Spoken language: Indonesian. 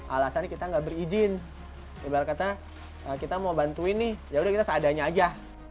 alasan kita tidak berizin kita mau bantuin nih yaudah kita seadanya saja